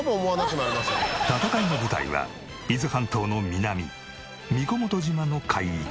戦いの舞台は伊豆半島の南神子元島の海域。